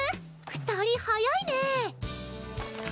２人早いねえ。